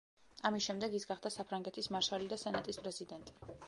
ამის შემდეგ ის გახდა საფრანგეთის მარშალი და სენატის პრეზიდენტი.